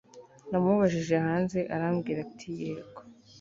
Namubajije hanze arambwira ati yego